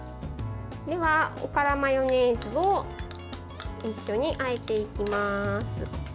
では、おからマヨネーズを一緒にあえていきます。